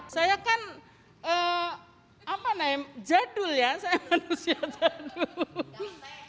saya kan jadul ya saya manusia jadul